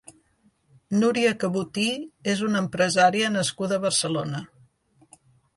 Núria Cabutí és una empresària nascuda a Barcelona.